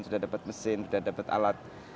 sudah dapat mesin sudah dapat alat